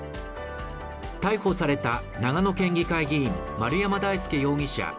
逮捕された長野県議会議員、丸山大輔容疑者